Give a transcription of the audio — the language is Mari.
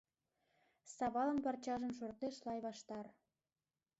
Савалын парчажым шортеш лай ваштар.